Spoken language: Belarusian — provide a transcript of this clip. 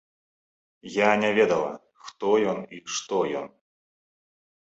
Я не ведала, хто ён і што ён.